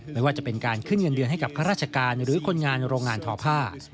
ไม่ว่าจะเป็นการขึ้นเงินเดือนให้กับข้าราชการหรือคนงานโรงงานทอผ้า